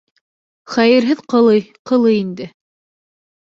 Хәйерһеҙ ҡылый, ҡылый инде.